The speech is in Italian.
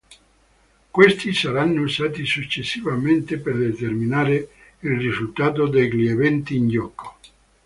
Questi saranno usati successivamente per determinare il risultato degli eventi in gioco.